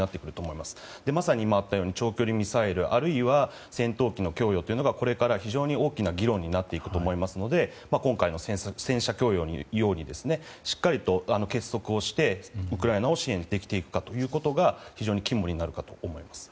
まさに今あったように長距離ミサイルあるいは戦闘機の供与というのがこれから非常に大きな議論になっていくと思いますので今回の戦車供与のようにしっかりと結束をしてウクライナを支援していくことが非常に肝になるかと思います。